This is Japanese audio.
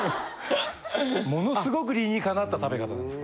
ものすごく理にかなった食べ方なんです。